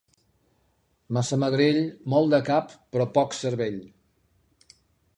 Massamagrell, molt de cap, però poc cervell.